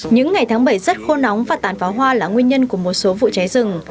những ngày tháng bảy rất khô nóng và tàn pháo hoa là nguyên nhân của một số vụ cháy rừng